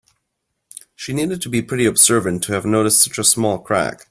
She needed to be pretty observant to have noticed such a small crack.